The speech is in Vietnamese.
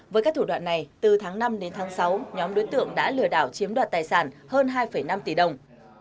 với các thủ đoạn này từ tháng năm đến tháng sáu nhóm đối tượng đã lừa đảo chiếm đoạt tài sản hơn hai năm tỷ đồng